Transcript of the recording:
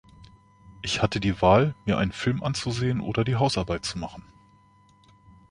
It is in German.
Ich hatte die Wahl, mir einen Film anzusehen oder die Hausarbeit zu machen.